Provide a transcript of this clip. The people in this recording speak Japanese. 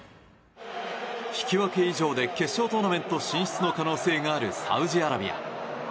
引き分け以上で決勝トーナメント進出の可能性があるサウジアラビア。